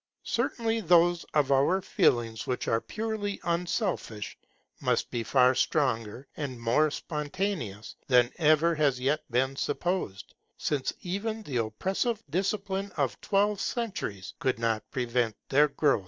Certainly those of our feelings which are purely unselfish must be far stronger and more spontaneous than ever has yet been supposed, since even the oppressive discipline of twelve centuries could not prevent their growth.